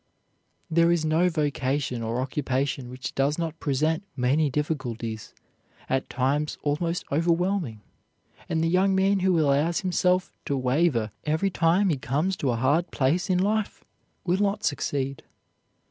There is no vocation or occupation which does not present many difficulties, at times almost overwhelming, and the young man who allows himself to waver every time he comes to a hard place in life will not succeed.